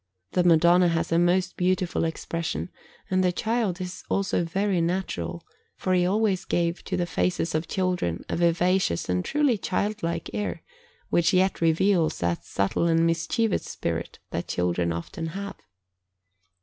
The Madonna has a most beautiful expression, and the Child is also very natural; for he always gave to the faces of children a vivacious and truly childlike air, which yet reveals that subtle and mischievous spirit that children often have.